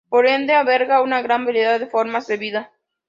Por ende, alberga una gran variedad de formas de vida.